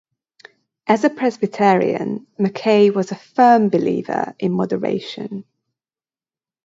As a Presbyterian, Mackay was a firm believer in moderation.